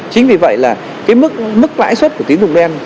chính vì vậy là cái mức lãi suất của tín dụng đen